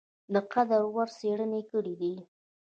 د قدر وړ څېړني کړي دي ۔